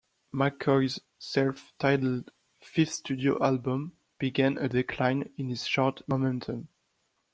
McCoy's self-titled fifth studio album began a decline in his chart momentum.